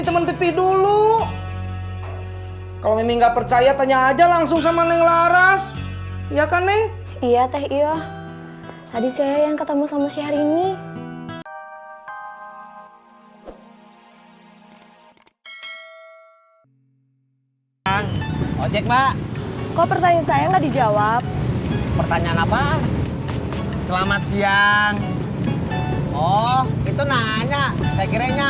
sampai jumpa di video selanjutnya